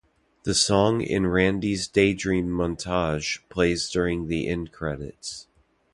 The song in Randy's daydream montage plays during the end credits.